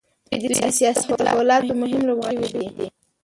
دوی د سیاسي تحولاتو مهم لوبغاړي شوي دي.